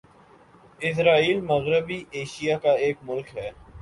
اسرائیل مغربی ایشیا کا ایک ملک ہے